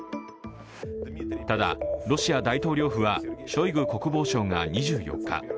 ただ、ロシア大統領府はショイグ国防相が２４日